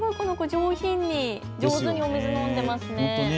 上品に上手にお水を飲んでいますね。